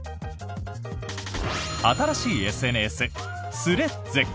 新しいＳＮＳ、スレッズ。